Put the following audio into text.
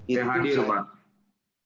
saya hadir pak